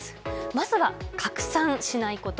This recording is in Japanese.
まずは拡散しないこと。